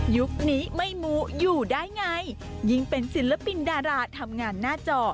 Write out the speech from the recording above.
ยุคนี้ไม่มู้อยู่ได้ไงยิ่งเป็นศิลปินดาราทำงานหน้าจอ